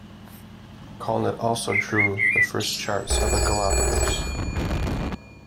Collnet also drew the first charts of the Galapagos.